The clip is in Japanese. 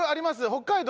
北海道